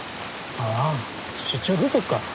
ああ出張風俗か。